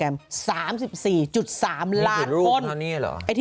กล้าม๓๔๓ล้านตอนแล้ว